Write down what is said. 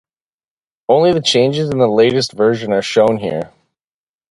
Only the changes in the latest version are shown here.